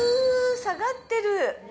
下がってる。